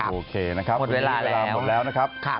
โอเคนะครับแล้วหมดละครับ